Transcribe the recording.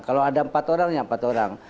kalau ada empat orang ya empat orang